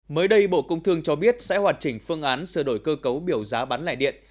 mới đây bộ công thương cho biết sẽ hoạt chỉnh phương án sửa đổi cơ cấu biểu giá bán lẻ điện